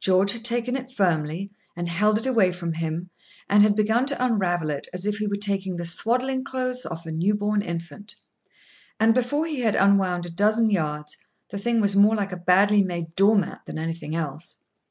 George had taken it firmly, and held it away from him, and had begun to unravel it as if he were taking the swaddling clothes off a new born infant; and, before he had unwound a dozen yards, the thing was more like a badly made door mat than anything else.